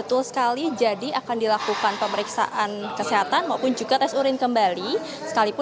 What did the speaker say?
tim liputan kompas tv